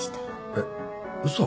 えっ嘘？